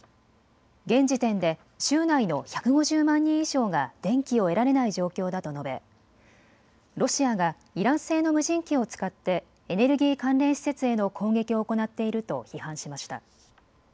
現時点で州内の１５０万人以上が電気を得られない状況だと述べ、ロシアがイラン製の無人機を使ってエネルギー関連施設への攻撃を行っていると批判しました。